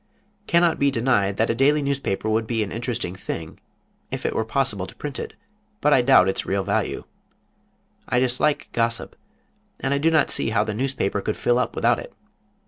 cannot be denied that a daily newspaper would be an interesting thing, if it were possible to print it, but I doubt its real value. I dislike gossip, and I do not see how the newspaper could fill up without it.